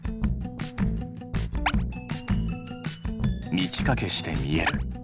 満ち欠けして見える。